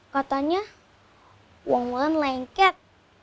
katanya uang walan lengket